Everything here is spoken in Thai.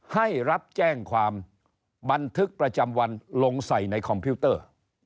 ให้รับแจ้งความบันทึกประจำวันลงใส่ในคอมพิวเตอร์